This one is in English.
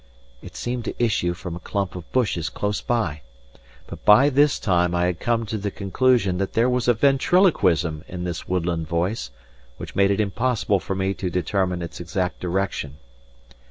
It seemed to issue from a clump of bushes close by; but by this time I had come to the conclusion that there was a ventriloquism in this woodland voice which made it impossible for me to determine its exact direction.